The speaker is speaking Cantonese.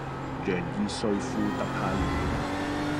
楊義瑞副特派員